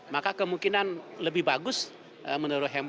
maka kemungkinan lebih bagus menurut